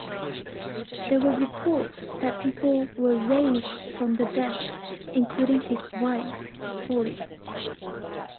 There were reports that people were raised from the dead, including his wife Polly.